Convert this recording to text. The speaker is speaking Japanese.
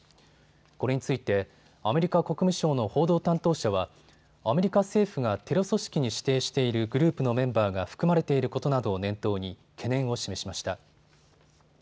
これについてアメリカ国務省の報道担当者はアメリカ政府がテロ組織に指定しているグループのメンバーが含まれていることなどを念頭に懸念を示しました。